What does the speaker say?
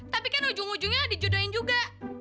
tapi kan ujung ujungnya dijudon juga